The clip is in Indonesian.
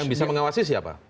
yang bisa mengawasi siapa